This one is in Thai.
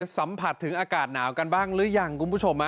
สัมผัสถึงอากาศหนาวกันบ้างหรือยังคุณผู้ชม